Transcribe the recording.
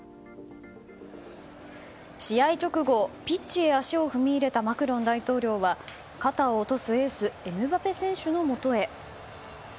試合直後ピッチへ足を踏み入れたマクロン大統領は肩を落とすエース、エムバペ選手のもとへ。